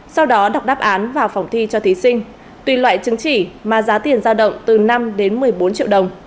sau đó đọc đáp án vào phòng thi cho thí sinh tùy loại chứng chỉ mà giá tiền giao động từ năm đến một mươi bốn triệu đồng